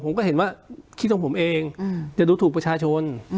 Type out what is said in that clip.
ผมก็เห็นว่าคิดของผมเองจะดูถูกประชาชน